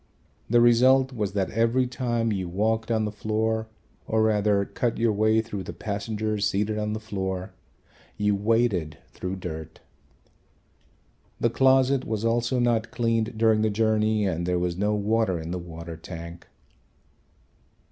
The result was that every time you walked on the floor or rather cut your way through the passengers seated on the floor, you waded through dirt. The closet was also not cleaned during the journey and there was no water in the water tank.